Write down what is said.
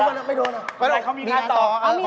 เอาลูกมาแล้วไม่โดน